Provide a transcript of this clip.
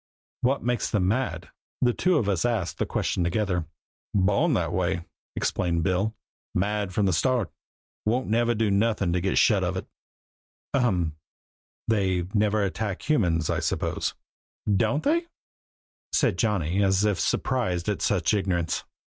"What makes them mad?" The two of us asked the question together. "Born that way!" explained Bill "mad from the start, and won't never do nothin' to get shut of it." "Ahem they never attack humans, I suppose?" "Don't they?" said Johnny, as if surprised at such ignorance.